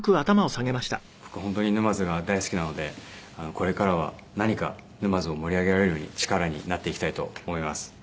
僕本当に沼津が大好きなのでこれからは何か沼津を盛り上げられるように力になっていきたいと思います。